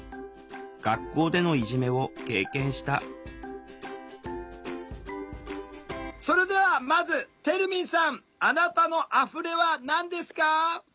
学校でのいじめを経験したそれではまずてるみんさんあなたの「あふれ」は何ですか？